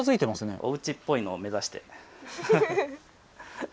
おうちっぽいのを目指して。